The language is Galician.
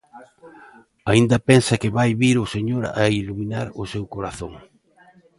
Aínda pensa que vai vir o Señor a iluminar o seu corazón?